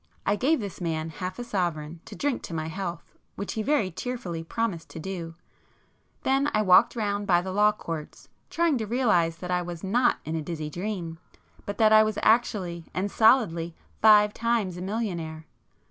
I gave this man half a sovereign to drink my health which he very cheerfully promised to do,—then I walked round by the Law Courts, trying to realize that I was not in a dizzy dream, but that I was actually and solidly, five times a millionaire.